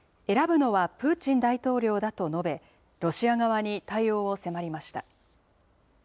選ぶのはプーチン大統領だと述べ、ロシア側に対応を迫りました。